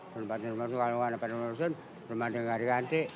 tempatnya masuk kalau nggak dapat diurusin rumah dia nggak diganti